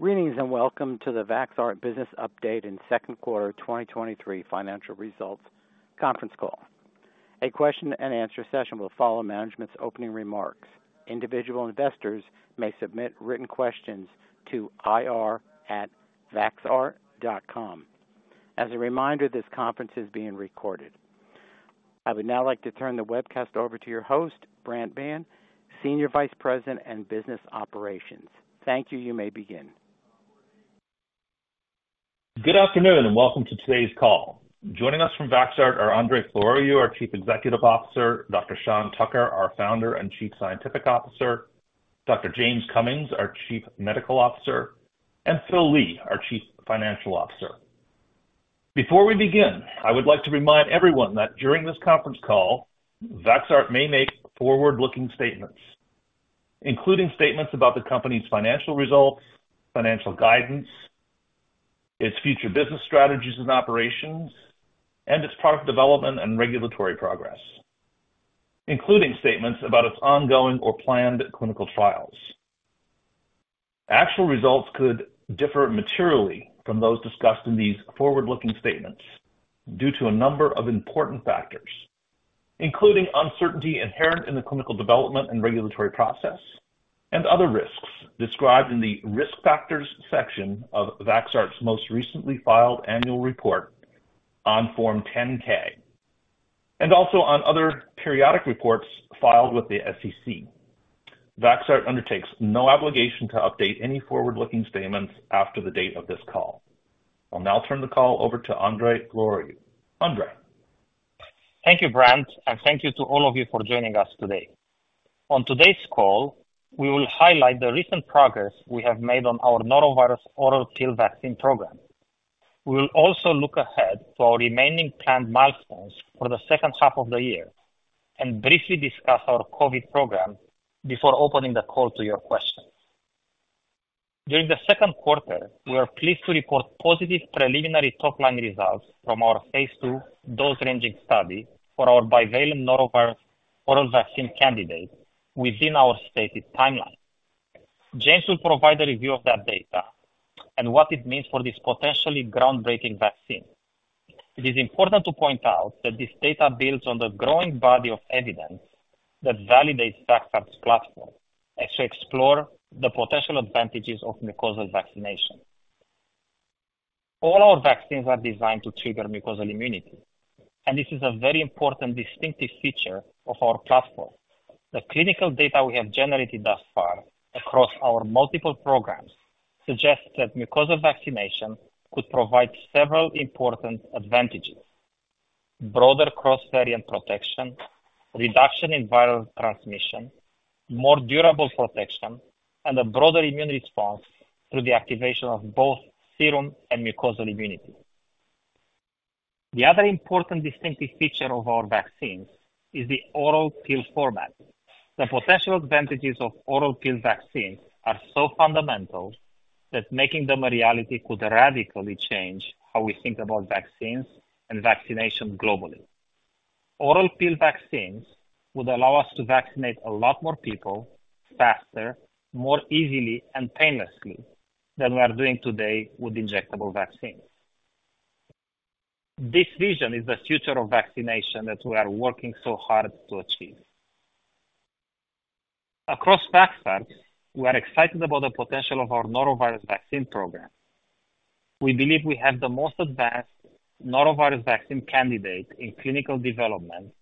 Greetings, and welcome to the Vaxart Business Update and Q2 2023 financial results conference call. A question-and-answer session will follow management's opening remarks. Individual investors may submit written questions to ir@vaxart.com. As a reminder, this conference is being recorded. I would now like to turn the webcast over to your host, Brant Biehn, Senior Vice President and Business Operations. Thank you. You may begin. Good afternoon, and welcome to today's call. Joining us from Vaxart are Andrei Floroiu, our Chief Executive Officer; Dr. Sean Tucker, our Founder and Chief Scientific Officer; Dr. James Cummings, our Chief Medical Officer, and Phil Lee, our Chief Financial Officer. Before we begin, I would like to remind everyone that during this conference call, Vaxart may make forward-looking statements, including statements about the company's financial results, financial guidance, its future business strategies and operations, and its product development and regulatory progress, including statements about its ongoing or planned clinical trials. Actual results could differ materially from those discussed in these forward-looking statements due to a number of important factors, including uncertainty inherent in the clinical development and regulatory process, and other risks described in the Risk Factors section of Vaxart's most recently filed annual report on Form 10-K, and also on other periodic reports filed with the SEC. Vaxart undertakes no obligation to update any forward-looking statements after the date of this call. I'll now turn the call over to Andrei Floroiu. Andrei? Thank you, Brant, and thank you to all of you for joining us today. On today's call, we will highlight the recent progress we have made on our norovirus oral pill vaccine program. We will also look ahead to our remaining planned milestones for the second half of the year and briefly discuss our COVID program before opening the call to your questions. During the Q2, we are pleased to report positive preliminary top-line results from our phase 2 dose-ranging study for our bivalent norovirus oral vaccine candidate within our stated timeline. James will provide a review of that data and what it means for this potentially groundbreaking vaccine. It is important to point out that this data builds on the growing body of evidence that validates Vaxart's platform as we explore the potential advantages of mucosal vaccination. All our vaccines are designed to trigger mucosal immunity, and this is a very important distinctive feature of our platform. The clinical data we have generated thus far across our multiple programs suggests that mucosal vaccination could provide several important advantages: broader cross-variant protection, reduction in viral transmission, more durable protection, and a broader immune response through the activation of both serum and mucosal immunity. The other important distinctive feature of our vaccines is the oral pill format. The potential advantages of oral pill vaccines are so fundamental that making them a reality could radically change how we think about vaccines and vaccinations globally. Oral pill vaccines would allow us to vaccinate a lot more people faster, more easily, and painlessly than we are doing today with injectable vaccines. This vision is the future of vaccination that we are working so hard to achieve. Across Vaxart, we are excited about the potential of our norovirus vaccine program. We believe we have the most advanced norovirus vaccine candidate in clinical development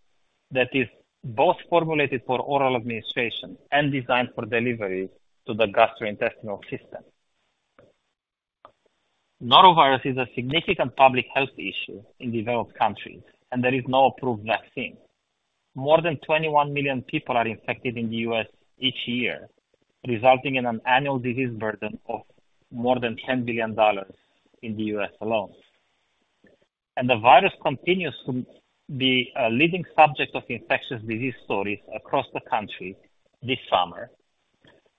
that is both formulated for oral administration and designed for delivery to the gastrointestinal system. Norovirus is a significant public health issue in developed countries, and there is no approved vaccine. More than 21 million people are infected in the U.S. each year, resulting in an annual disease burden of more than $10 billion in the U.S. alone. The virus continues to be a leading subject of infectious disease stories across the country this summer,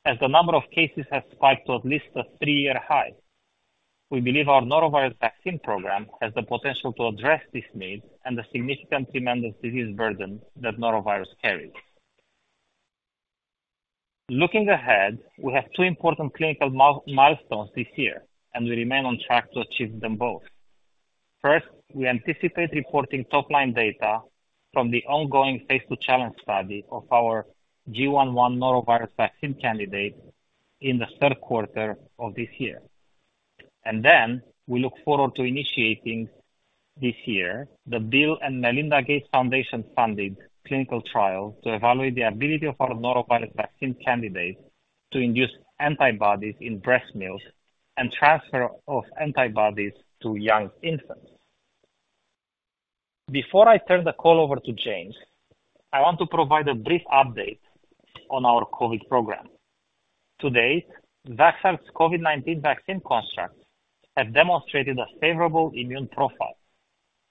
as the number of cases has spiked to at least a 3-year high. We believe our norovirus vaccine program has the potential to address this need and the significant tremendous disease burden that norovirus carries. Looking ahead, we have two important clinical milestones this year, and we remain on track to achieve them both. First, we anticipate reporting top-line data from the ongoing phase two challenge study of our GI.1 norovirus vaccine candidate in the third quarter of this year. We look forward to initiating this year the Bill & Melinda Gates Foundation-funded clinical trial to evaluate the ability of our norovirus vaccine candidate to induce antibodies in breast milk and transfer of antibodies to young infants. Before I turn the call over to James, I want to provide a brief update on our COVID program. To date, Vaxart's COVID-19 vaccine constructs have demonstrated a favorable immune profile.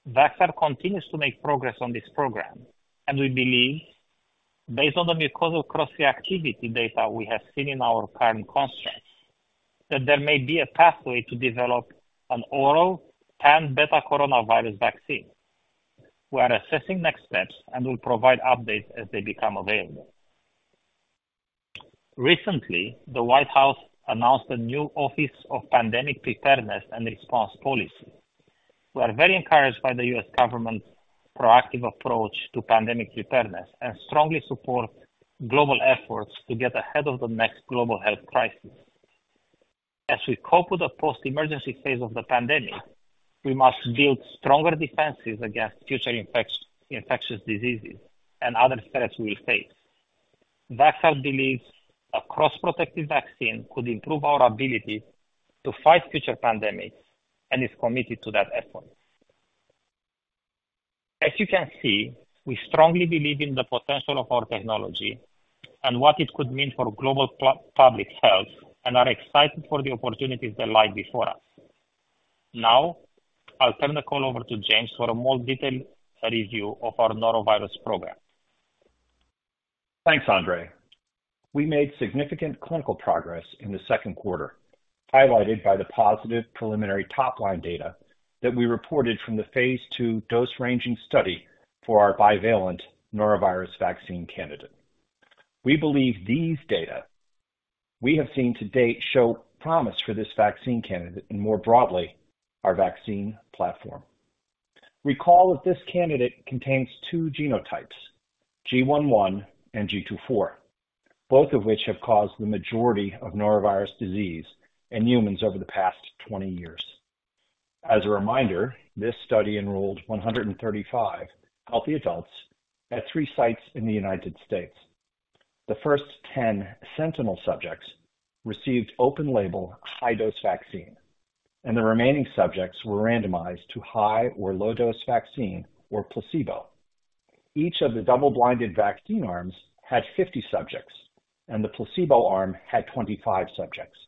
Vaxart continues to make progress on this program, and we believe, based on the mucosal cross-reactivity data we have seen in our current constructs, that there may be a pathway to develop an oral pan-betacoronavirus vaccine. We are assessing next steps and will provide updates as they become available. Recently, the White House announced a new Office of Pandemic Preparedness and Response Policy. We are very encouraged by the U.S. government's proactive approach to pandemic preparedness and strongly support global efforts to get ahead of the next global health crisis. As we cope with the post-emergency phase of the pandemic, we must build stronger defenses against future infectious diseases and other threats we will face. Vaxart believes a cross-protective vaccine could improve our ability to fight future pandemics and is committed to that effort. As you can see, we strongly believe in the potential of our technology and what it could mean for global public health, and are excited for the opportunities that lie before us. I'll turn the call over to James for a more detailed review of our norovirus program. Thanks, Andrei. We made significant clinical progress in the Q2, highlighted by the positive preliminary top-line data that we reported from the phase 2 dose-ranging study for our bivalent norovirus vaccine candidate. We believe these data we have seen to date show promise for this vaccine candidate and more broadly, our vaccine platform. Recall that this candidate contains two genotypes, GI.1 and GII.4, both of which have caused the majority of norovirus disease in humans over the past 20 years. As a reminder, this study enrolled 135 healthy adults at 3 sites in the United States. The first 10 sentinel subjects received open label, high-dose vaccine, and the remaining subjects were randomized to high or low-dose vaccine or placebo. Each of the double-blinded vaccine arms had 50 subjects, and the placebo arm had 25 subjects.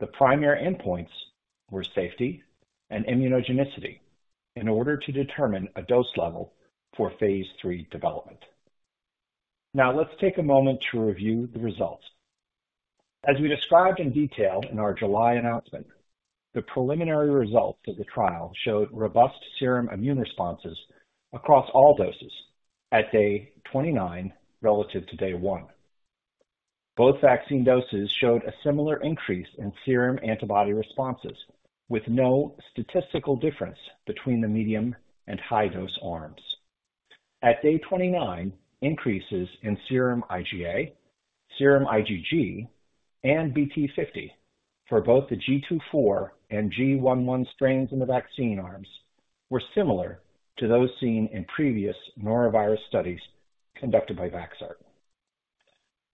The primary endpoints were safety and immunogenicity in order to determine a dose level for phase 3 development. Now, let's take a moment to review the results. As we described in detail in our July announcement, the preliminary results of the trial showed robust serum immune responses across all doses at day 29 relative to day 1. Both vaccine doses showed a similar increase in serum antibody responses, with no statistical difference between the medium and high-dose arms. At day 29, increases in serum IgA, serum IgG, and BT50 for both the GII.4 and GI.1 strains in the vaccine arms were similar to those seen in previous norovirus studies conducted by Vaxart.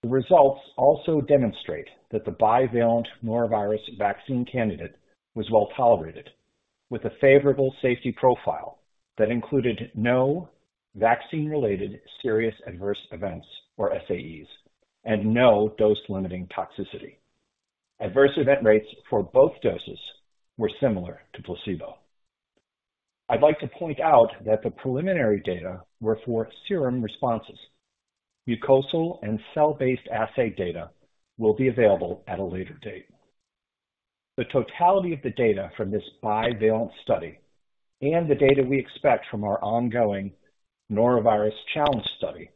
The results also demonstrate that the bivalent norovirus vaccine candidate was well tolerated, with a favorable safety profile that included no vaccine-related Serious Adverse Events, or SAEs, and no dose-limiting toxicity. Adverse event rates for both doses were similar to placebo. I'd like to point out that the preliminary data were for serum responses. Mucosal and cell-based assay data will be available at a later date. The totality of the data from this bivalent study and the data we expect from our ongoing norovirus challenge study,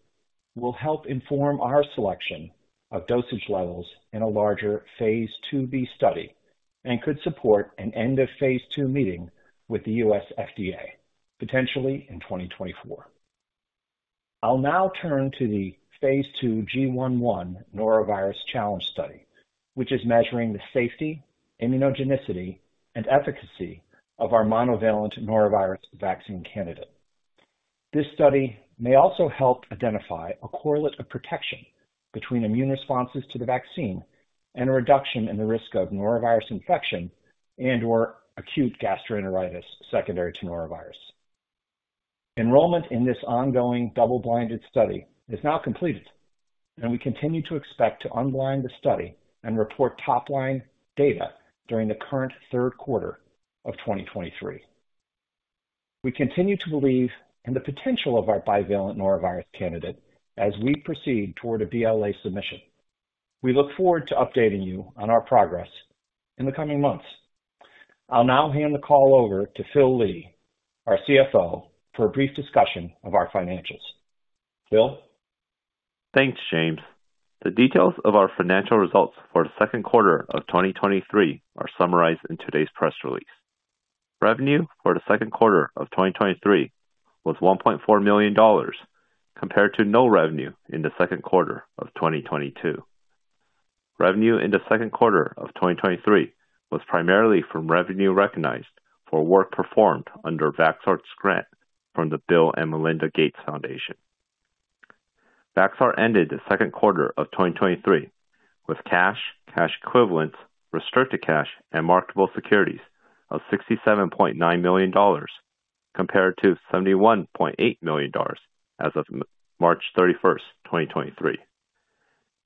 will help inform our selection of dosage levels in a larger phase 2b study and could support an end-of-phase two meeting with the FDA, potentially in 2024. I'll now turn to the phase 2 GI.1 norovirus challenge study, which is measuring the safety, immunogenicity, and efficacy of our monovalent norovirus vaccine candidate. This study may also help identify a correlate of protection between immune responses to the vaccine and a reduction in the risk of norovirus infection and/or acute gastroenteritis secondary to norovirus. Enrollment in this ongoing double-blinded study is now completed, and we continue to expect to unblind the study and report top-line data during the current third quarter of 2023. We continue to believe in the potential of our bivalent norovirus candidate as we proceed toward a BLA submission. We look forward to updating you on our progress in the coming months. I'll now hand the call over to Phil Lee, our CFO, for a brief discussion of our financials. Phil? Thanks, James. The details of our financial results for the Q2 of 2023 are summarized in today's press release. Revenue for the Q2 of 2023 was $1.4 million, compared to no revenue in the Q2 of 2022. Revenue in the Q2 of 2023 was primarily from revenue recognized for work performed under Vaxart's grant from the Bill & Melinda Gates Foundation. Vaxart ended the Q2 of 2023 with cash, cash equivalents, restricted cash, and marketable securities of $67.9 million, compared to $71.8 million as of March 31st, 2023.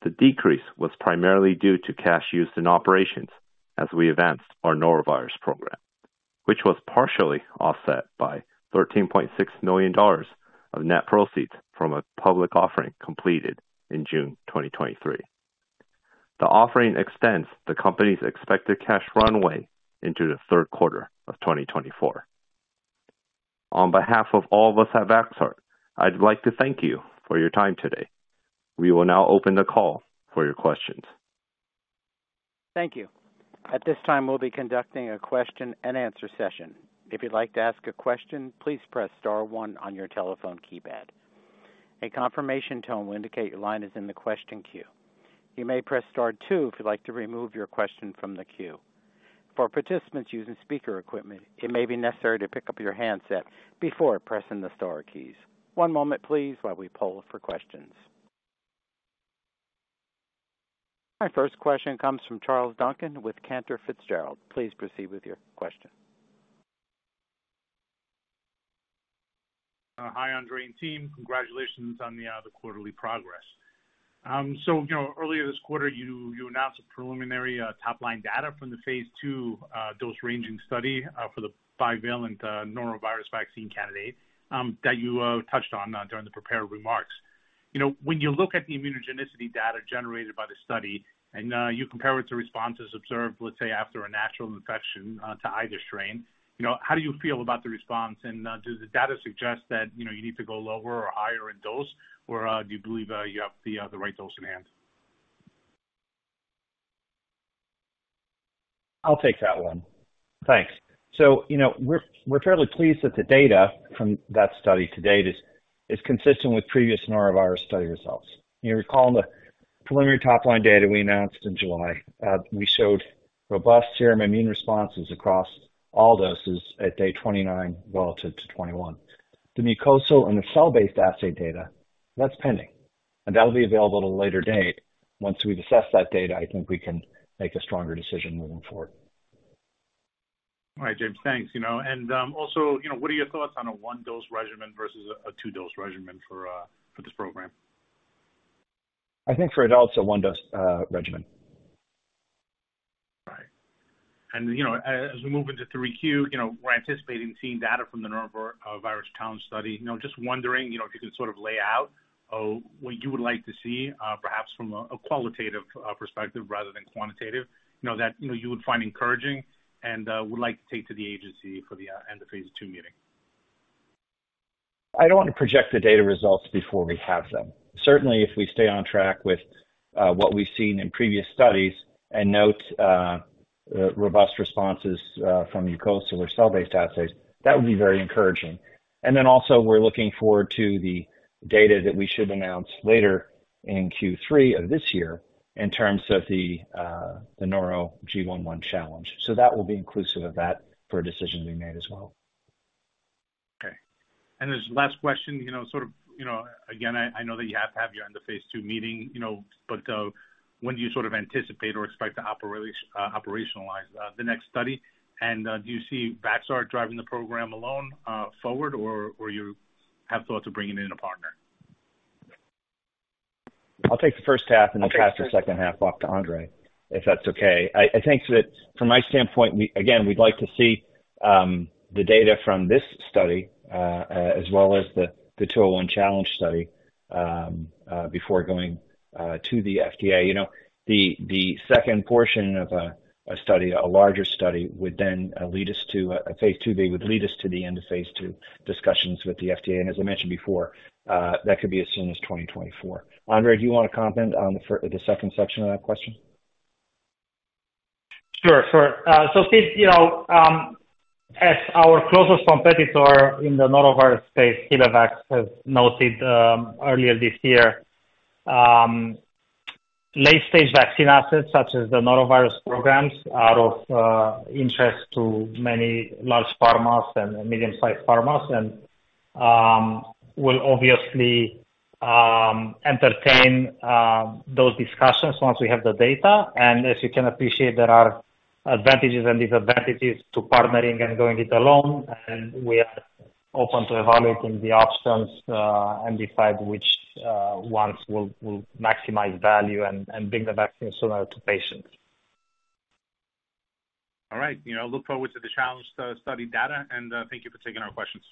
The decrease was primarily due to cash used in operations as we advanced our norovirus program, which was partially offset by $13.6 million of net proceeds from a public offering completed in June 2023.... The offering extends the company's expected cash runway into the third quarter of 2024. On behalf of all of us at Vaxart, I'd like to thank you for your time today. We will now open the call for your questions. Thank you. At this time, we'll be conducting a question and answer session. If you'd like to ask a question, please press star 1 on your telephone keypad. A confirmation tone will indicate your line is in the question queue. You may press star 2 if you'd like to remove your question from the queue. For participants using speaker equipment, it may be necessary to pick up your handset before pressing the star keys. One moment please, while we poll for questions. Our first question comes from Charles Duncan with Cantor Fitzgerald. Please proceed with your question. Hi, Andre and team. Congratulations on the quarterly progress. So, you know, earlier this quarter, you, you announced preliminary top-line data from the Phase 2 dose-ranging study for the bivalent norovirus vaccine candidate that you touched on during the prepared remarks. You know, when you look at the immunogenicity data generated by the study, and you compare it to responses observed, let's say, after a natural infection to either strain, you know, how do you feel about the response? Does the data suggest that, you know, you need to go lower or higher in dose, or do you believe you have the right dose in hand? I'll take that one. Thanks. You know, we're, we're fairly pleased that the data from that study to date is, is consistent with previous norovirus study results. You recall in the preliminary top-line data we announced in July, we showed robust serum immune responses across all doses at day 29 relative to 21. The mucosal and the cell-based assay data, that's pending, and that'll be available at a later date. Once we've assessed that data, I think we can make a stronger decision moving forward. All right, James, thanks. You know, also, you know, what are your thoughts on a 1-dose regimen versus a 2-dose regimen for, for this program? I think for adults, a one-dose regimen. Right. you know, as, as we move into 3Q, you know, we're anticipating seeing data from the norovirus challenge study. You know, just wondering, you know, if you can sort of lay out what you would like to see, perhaps from a, a qualitative perspective rather than quantitative, you know, that, you know, you would find encouraging and would like to take to the agency for the end of phase 2 meeting. I don't want to project the data results before we have them. Certainly, if we stay on track with what we've seen in previous studies and note robust responses from mucosal or cell-based assays, that would be very encouraging. We're looking forward to the data that we should announce later in Q3 of this year in terms of the the norovirus GI.1 challenge. That will be inclusive of that for a decision to be made as well. Okay. As last question, you know, sort of, you know, again, I, I know that you have to have your end of phase 2 meeting, you know, when do you sort of anticipate or expect to operationalize the next study? Do you see Vaxart driving the program alone forward, or you have thoughts of bringing in a partner? I'll take the first half- Okay. I'll pass the second half off to Andre, if that's okay. I, I think that from my standpoint, we... Again, we'd like to see, the data from this study, as well as the, the 201 challenge study, before going to the FDA. You know, the, the second portion of a, a study, a larger study, would then lead us to a phase 2b, would lead us to the end of phase 2 discussions with the FDA. As I mentioned before, that could be as soon as 2024. Andre, do you want to comment on the second section of that question? Sure, sure. So Steve, you know, as our closest competitor in the norovirus space, HilleVax, has noted, earlier this year, late-stage vaccine assets such as the norovirus programs are of interest to many large pharmas and medium-sized pharmas, and we'll obviously entertain those discussions once we have the data. As you can appreciate, there are advantages and disadvantages to partnering and going it alone, and we are open to evaluating the options and decide which ones will, will maximize value and, and bring the vaccine sooner to patients. All right. You know, look forward to the challenge, study data, and thank you for taking our questions.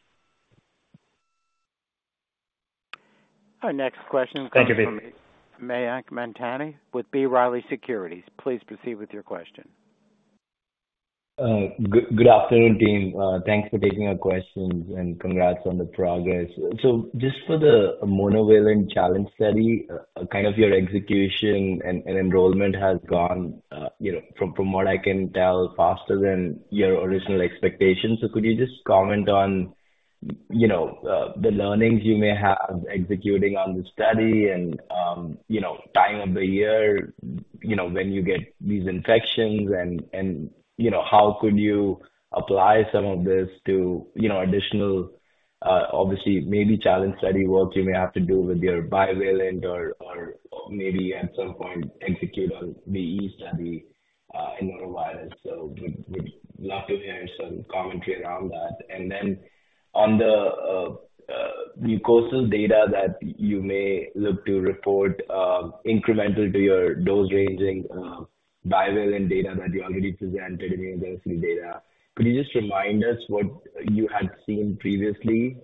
Our next question- Thank you, Steve. Mayank Mamtani with B. Riley Securities. Please proceed with your question. Good afternoon, team. Thanks for taking our questions, and congrats on the progress. Just for the monovalent challenge study, kind of your execution and enrollment has gone, you know, from what I can tell, faster than your original expectations. Could you just comment on, you know, the learnings you may have executing on the study and, you know, time of the year, you know, when you get these infections and, you know, how could you apply some of this to, you know, additional, obviously, maybe challenge study work you may have to do with your bivalent or, maybe at some point execute on the E study in norovirus? We'd love to hear some commentary around that. Then on the mucosal data that you may look to report, incremental to your dose ranging... viral and data that you already presented in the previous data. Could you just remind us what you had seen previously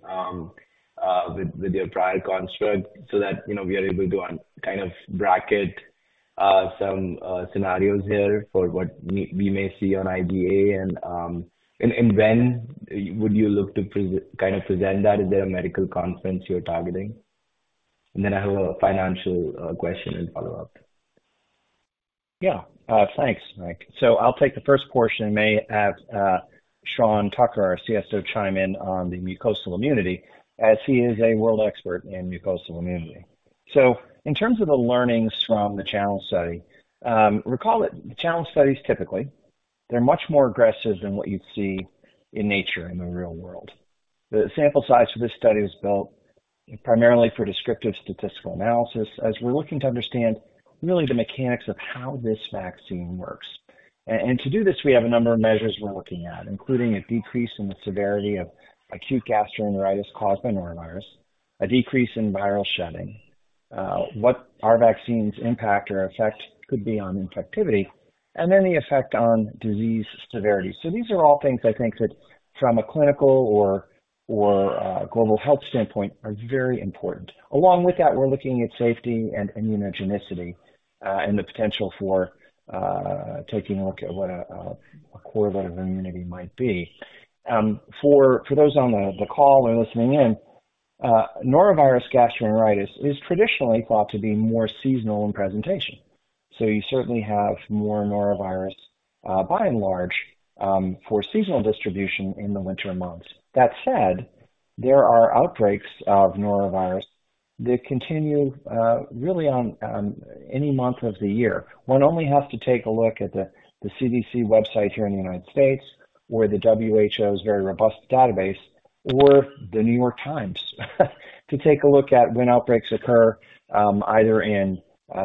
with your prior construct, so that, you know, we are able to kind of bracket some scenarios here for what we may see on IgA? When would you look to kind of present that? Is there a medical conference you're targeting? Then I have a financial question and follow-up. Yeah. Thanks, Mike. I'll take the first portion and may have Sean Tucker, our CSO, chime in on the mucosal immunity, as he is a world expert in mucosal immunity. In terms of the learnings from the challenge study, recall that challenge studies, typically, they're much more aggressive than what you'd see in nature in the real world. The sample size for this study was built primarily for descriptive statistical analysis, as we're looking to understand really the mechanics of how this vaccine works. To do this, we have a number of measures we're looking at, including a decrease in the severity of acute gastroenteritis caused by norovirus, a decrease in viral shedding, what our vaccine's impact or effect could be on infectivity, and then the effect on disease severity. These are all things I think that from a clinical or, or global health standpoint, are very important. Along with that, we're looking at safety and immunogenicity, and the potential for taking a look at what a correlate of immunity might be. For those on the call or listening in, norovirus gastroenteritis is traditionally thought to be more seasonal in presentation. You certainly have more norovirus, by and large, for seasonal distribution in the winter months. That said, there are outbreaks of norovirus that continue, really on any month of the year. One only has to take a look at the, the CDC website here in the United States, or the WHO's very robust database, or The New York Times, to take a look at when outbreaks occur, either in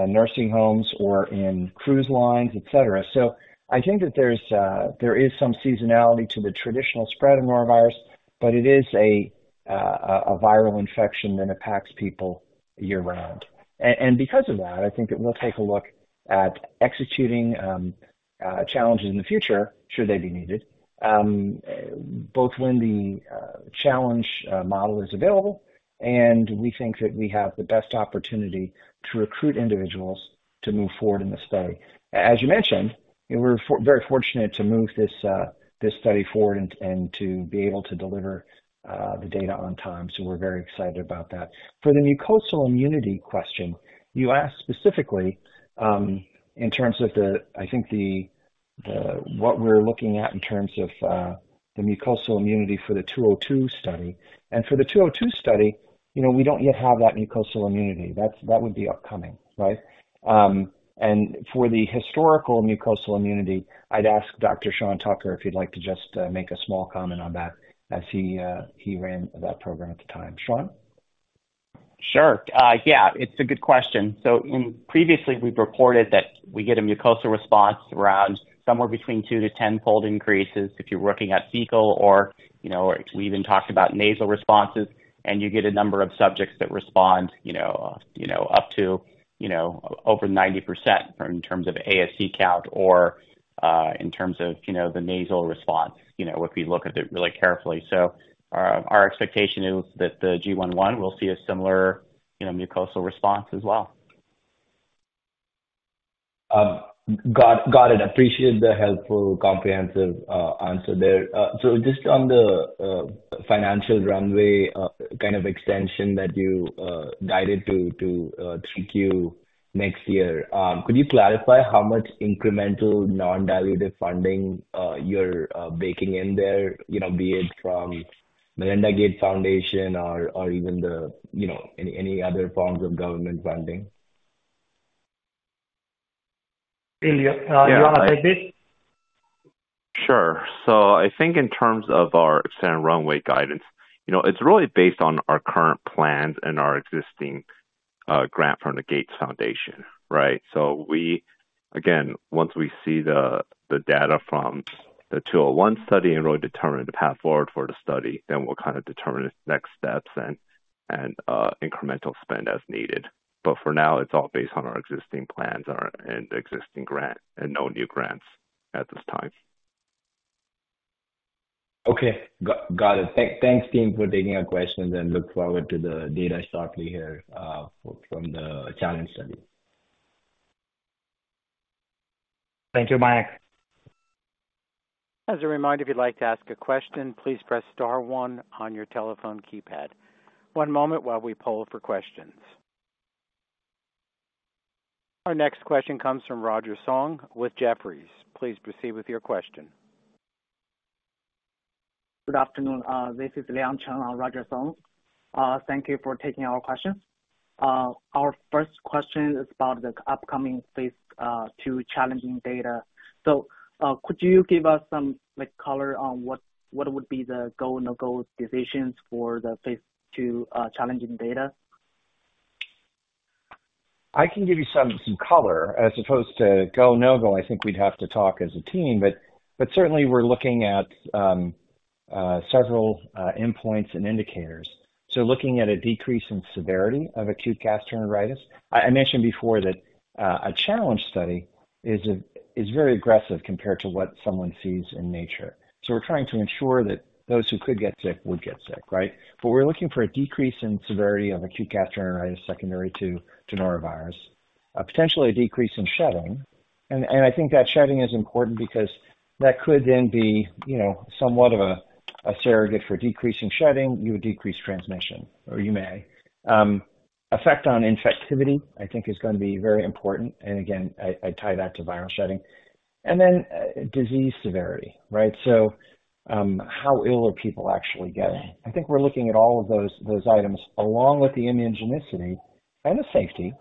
nursing homes or in cruise lines, et cetera. I think that there's, there is some seasonality to the traditional spread of norovirus, but it is a viral infection that impacts people year-round. Because of that, I think that we'll take a look at executing challenges in the future, should they be needed, both when the challenge model is available, and we think that we have the best opportunity to recruit individuals to move forward in the study. As you mentioned, we're for... very fortunate to move this, this study forward and, and to be able to deliver the data on time. We're very excited about that. For the mucosal immunity question, you asked specifically, in terms of the I think what we're looking at in terms of the mucosal immunity for the 202 study. For the 202 study, you know, we don't yet have that mucosal immunity. That's, that would be upcoming, right? For the historical mucosal immunity, I'd ask Dr. Sean Tucker, if he'd like to just make a small comment on that, as he, he ran that program at the time. Sean? Sure. Yeah, it's a good question. In previously, we've reported that we get a mucosal response around somewhere between 2-10-fold increases if you're looking at fecal or, you know, we even talked about nasal responses, and you get a number of subjects that respond, you know, up to, you know, over 90% in terms of ASC count or, in terms of, you know, the nasal response, you know, if we look at it really carefully. Our, our expectation is that the GI.1 will see a similar, you know, mucosal response as well. Got, got it. Appreciate the helpful, comprehensive answer there. Just on the financial runway, kind of extension that you guided to, to 3 Q next year, could you clarify how much incremental non-dilutive funding you're baking in there? You know, be it from the Melinda Gates Foundation or, or even the, you know, any, any other forms of government funding? Phil, you want to take this? Sure. I think in terms of our extended runway guidance, you know, it's really based on our current plans and our existing grant from the Gates Foundation, right? We, again, once we see the data from the 201 study and really determine the path forward for the study, then we'll kind of determine the next steps and incremental spend as needed. For now, it's all based on our existing plans and our existing grant, and no new grants at this time. Okay. Got it. Thanks, team, for taking our questions, and look forward to the data shortly here, from the challenge study. Thank you, Mike. As a reminder, if you'd like to ask a question, please press star one on your telephone keypad. One moment while we poll for questions. Our next question comes from Roger Song with Jefferies. Please proceed with your question. Good afternoon. This is Liang Cheng or Roger Song. Thank you for taking our questions. Our first question is about the upcoming phase 2 challenging data. Could you give us some, like, color on what, what would be the go/no-go decisions for the phase 2 challenging data? I can give you some, some color. As opposed to go, no-go, I think we'd have to talk as a team, but, but certainly we're looking at several endpoints and indicators. Looking at a decrease in severity of acute gastroenteritis, I, I mentioned before that a challenge study is very aggressive compared to what someone sees in nature. We're trying to ensure that those who could get sick, would get sick, right? We're looking for a decrease in severity of acute gastroenteritis secondary to norovirus. Potentially a decrease in shedding, and I think that shedding is important because that could then be, you know, somewhat of a surrogate for decreasing shedding, you would decrease transmission, or you may. Effect on infectivity, I think is gonna be very important. Again, I, I tie that to viral shedding. Then, disease severity, right? How ill are people actually getting? I think we're looking at all of those, those items along with the immunogenicity and the safety,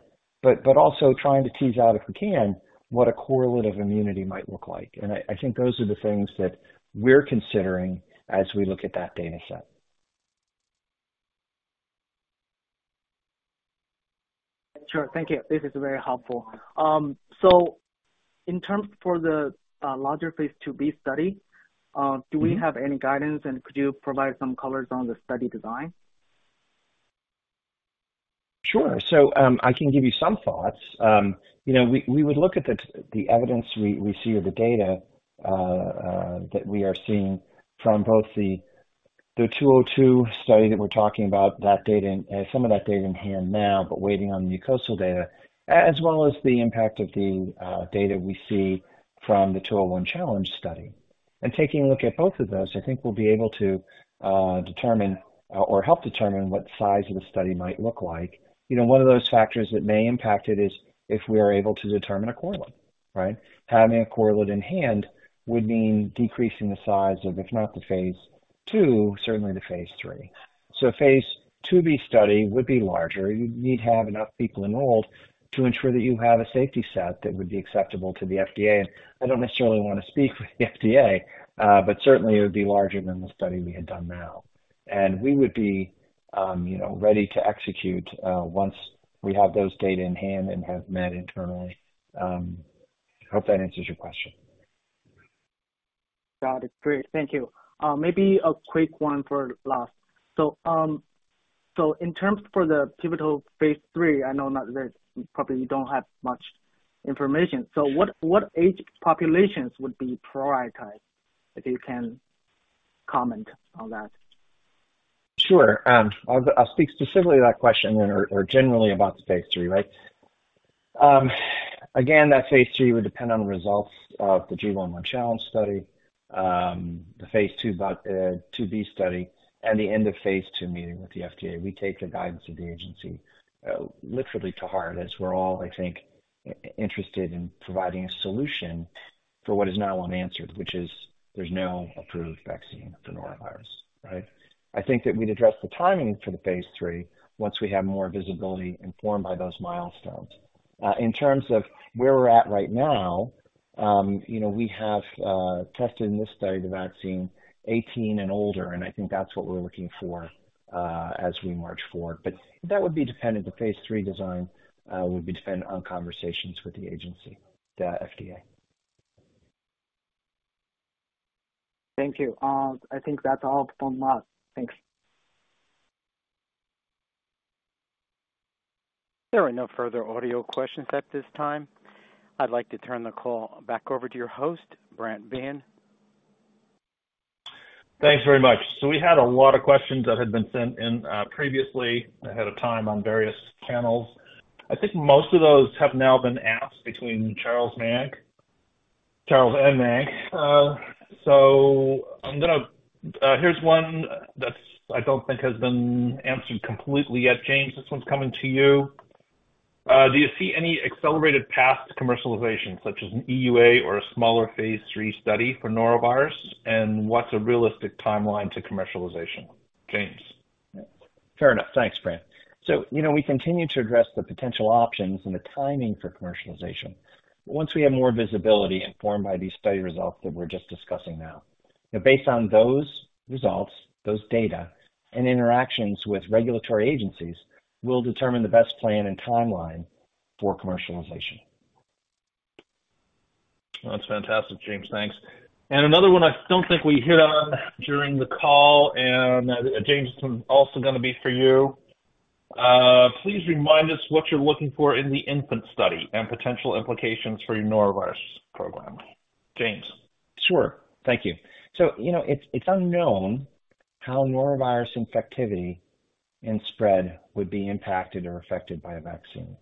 but also trying to tease out, if we can, what a correlate of immunity might look like. I, I think those are the things that we're considering as we look at that data set. Sure. Thank you. This is very helpful. In terms for the, larger phase 2b study. Mm-hmm. -do we have any guidance, and could you provide some colors on the study design? Sure. I can give you some thoughts. You know, we, we would look at the, the evidence we, we see or the data that we are seeing from both the 202 study that we're talking about, that data and some of that data in hand now, but waiting on the mucosal data, as well as the impact of the data we see from the 201 challenge study. Taking a look at both of those, I think we'll be able to determine or help determine what size of the study might look like. You know, one of those factors that may impact it is if we are able to determine a correlate, right? Having a correlate in hand would mean decreasing the size of, if not the phase 2, certainly the phase 3. Phase 2b study would be larger. You'd need to have enough people enrolled to ensure that you have a safety set that would be acceptable to the FDA. I don't necessarily want to speak for the FDA, but certainly it would be larger than the study we had done now. We would be, you know, ready to execute, once we have those data in hand and have met internally. Hope that answers your question. Got it. Great, thank you. Maybe a quick one for last. In terms for the pivotal phase III, I know not that you probably don't have much information. What, what age populations would be prioritized, if you can comment on that? Sure. I'll, I'll speak specifically to that question and, or, or generally about the Phase 3, right? Again, that Phase 3 would depend on the results of the 201 challenge study, the Phase 2, 2b study, and the end of Phase 2 meeting with the FDA. We take the guidance of the agency literally to heart, as we're all, I think, i- interested in providing a solution for what is now unanswered, which is there's no approved vaccine for norovirus, right? I think that we'd address the timing for the Phase 3 once we have more visibility informed by those milestones. In terms of where we're at right now, you know, we have tested in this study, the vaccine, 18 and older, and I think that's what we're looking for as we march forward. That would be dependent... the phase III design, would be dependent on conversations with the agency, the FDA. Thank you. I think that's all from us. Thanks. There are no further audio questions at this time. I'd like to turn the call back over to your host, Brant Biehn. Thanks very much. We had a lot of questions that had been sent in previously, ahead of time on various channels. I think most of those have now been asked between Charles, Mayank, Charles, and Mayank. I'm gonna... Here's one that I don't think has been answered completely yet. James, this one's coming to you. "Do you see any accelerated path to commercialization, such as an EUA or a smaller phase III study for norovirus, and what's a realistic timeline to commercialization?" James. Fair enough. Thanks, Brant. You know, we continue to address the potential options and the timing for commercialization, once we have more visibility informed by these study results that we're just discussing now. Based on those results, those data, and interactions with regulatory agencies, we'll determine the best plan and timeline for commercialization. That's fantastic, James. Thanks. Another one I don't think we hit on during the call, and James, this one's also gonna be for you. "Please remind us what you're looking for in the infant study and potential implications for your norovirus program." James. Sure. Thank you. You know, it's, it's unknown how norovirus infectivity and spread would be impacted or affected by a vaccine.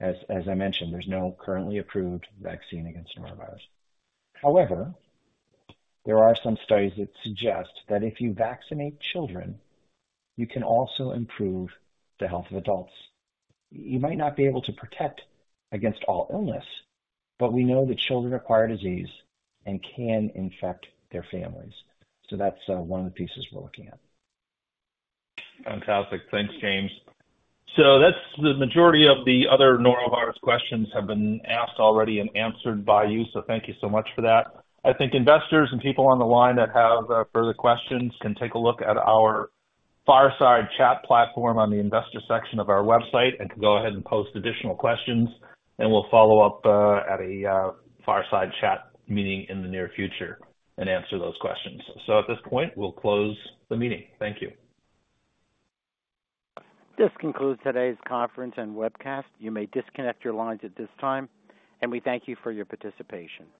As I mentioned, there's no currently approved vaccine against norovirus. However, there are some studies that suggest that if you vaccinate children, you can also improve the health of adults. You might not be able to protect against all illness, we know that children acquire disease and can infect their families. That's one of the pieces we're looking at. Fantastic. Thanks, James. That's the majority of the other norovirus questions have been asked already and answered by you, so thank you so much for that. I think investors and people on the line that have further questions can take a look at our Fireside Chat platform on the investor section of our website and can go ahead and post additional questions, and we'll follow up at a Fireside Chat meeting in the near future and answer those questions. At this point, we'll close the meeting. Thank you. This concludes today's conference and webcast. You may disconnect your lines at this time, and we thank you for your participation.